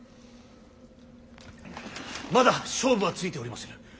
まだ勝負はついておりませぬ。